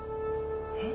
えっ？